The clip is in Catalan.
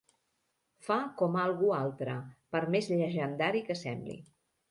Fa com algú altre, per més llegendari que sembli.